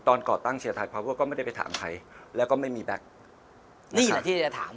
ตอนก่อตั้งก็ไม่ได้ไปถามใครแล้วก็ไม่มีแบ็คนี่แหละที่ได้ถาม